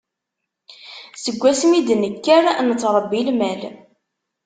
Seg wasmi i d-nekker, nettṛebbi lmal.